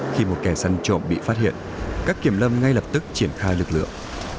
khi một kẻ săn trộm bị phát hiện các kiểm lâm ngay lập tức triển khai lực lượng